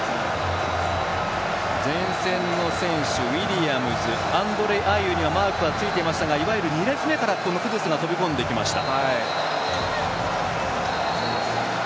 前線の選手ウィリアムズアンドレ・アイウにはマークはついていましたがいわゆる２列目からクドゥスが飛び込んできました。